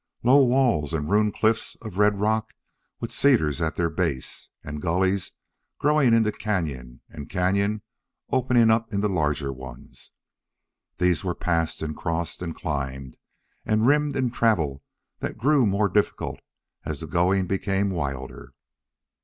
Low walls, and ruined cliffs of red rock with cedars at their base, and gullies growing into cañon and cañon opening into larger ones these were passed and crossed and climbed and rimmed in travel that grew more difficult as the going became wilder.